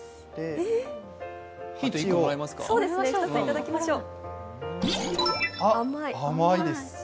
ヒントいただきましょう。